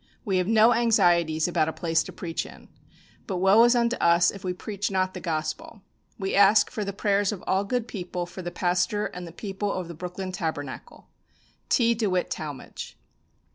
We have no anxieties about a place to preach in. But woe is unto us if we preach not the Gospel! We ask for the prayers of all good people for the pastor and people of the Brooklyn Tabernacle. "T. DEWITT TALMAGE."